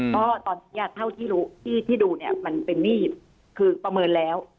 ก็ตอนนี้เท่าที่รู้ที่ดูเนี่ยมันเป็นมีดคือประเมินแล้ว